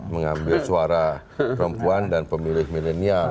mengambil suara perempuan dan pemilih milenial